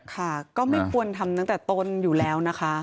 ค่ะก็ไม่ควรทำตั้งแต่ต้นอยู่แล้วนะคะ